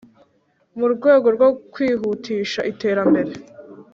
mu rwego rwo kwihutisha iterambere